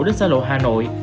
đến xa lộ hà nội